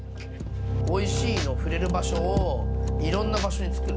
おいしいの触れる場所をいろんな場所に作る。